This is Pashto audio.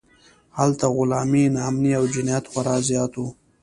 هلته غلا، ناامنۍ او جنایت خورا زیات و.